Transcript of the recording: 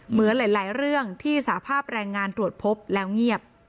เหมือนหลายเรื่องที่สาภาพแรงงานตรวจพบแล้วเงียบ